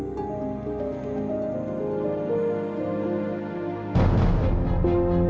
nanti kita siap